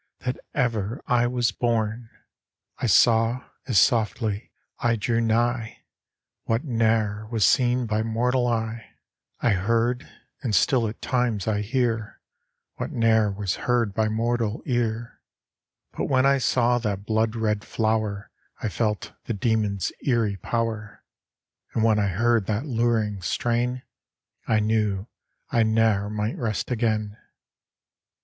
that ever I was born ! I saw, as softly I drew nigh, What ne'er was seen by mortal eye ; 8 THE WOOD DEMON . I heard, and still at times I hear, What ne'er was heard by mortal ear. But when I saw that blood red flower I felt the demon's eerie power, And when I heard that luring strain I knew I ne'er might rest again.